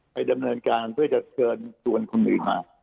ดำเนินการเพื่อจะเชิญชวนคนอื่นมา